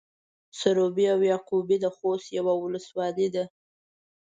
صبري او يعقوبي د خوست يوۀ ولسوالي ده.